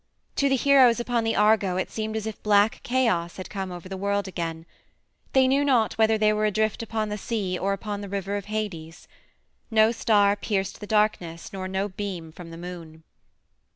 To the heroes upon the Argo it seemed as if black chaos had come over the world again; they knew not whether they were adrift upon the sea or upon the River of Hades. No star pierced the darkness nor no beam from the moon.